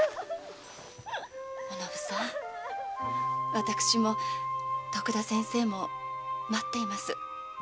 私も徳田先生も待っています。